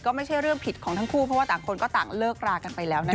ก็ไม่ใช่เรื่องผิดของทั้งคู่เพราะว่าต่างคนก็ต่างเลิกรากันไปแล้วนะคะ